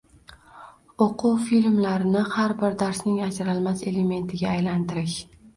o‘quv filmlarini har bir darsning ajralmas elementiga aylantirish